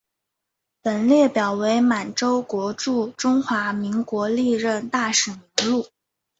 本列表为满洲国驻中华民国历任大使名录。